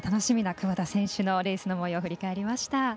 窪田選手のレースの模様を振り返りました。